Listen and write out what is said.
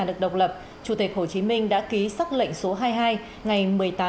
được độc lập chủ tịch hồ chí minh đã ký xác lệnh số hai mươi hai ngày một mươi tám hai một nghìn chín trăm bốn mươi sáu